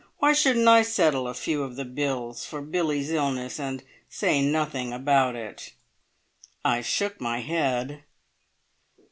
Why shouldn't I settle a few of the bills for Billie's illness and say nothing about it?" I shook my head.